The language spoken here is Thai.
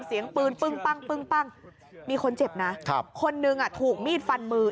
เสียงปืนปึ้งปั้งมีคนเจ็บนะคนนึงถูกมีดฟันมือ